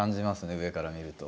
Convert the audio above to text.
上から見ると。